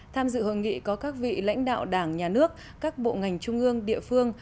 tham dự hội nghị có các vị lãnh đạo đảng nhà nước các bộ ngành trung ương địa phương